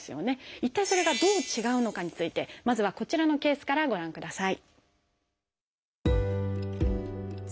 一体それがどう違うのかについてまずはこちらのケースからご覧ください。